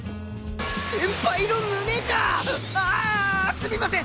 すみません！